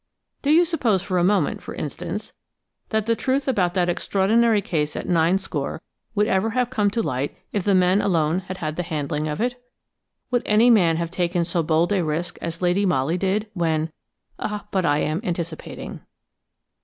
Do you suppose for a moment, for instance, that the truth about that extraordinary case at Ninescore would ever have come to light if the men alone had had the handling of it? Would any man have taken so bold a risk as Lady Molly did when–But I am anticipating.